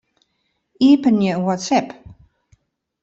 Iepenje WhatsApp.